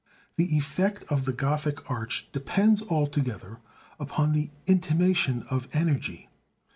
The effect of the Gothic arch depends altogether upon the intimation of energy.